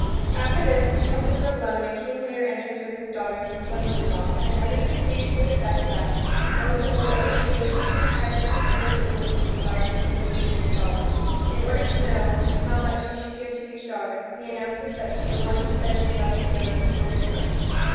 After this, trumpets are blown, and King Lear enters with his daughters and sons in law, and utters a speech to the effect that, owing to old age, he wishes to retire from the cares of business and divide his kingdom between his daughters. In order to know how much he should give to each daughter, he announces that to the one who says she loves him most he will give most.